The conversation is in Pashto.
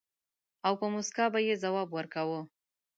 او په مُسکا به يې ځواب ورکاوه.